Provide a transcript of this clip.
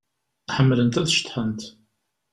Ḥemmlent ad ceḍḥent.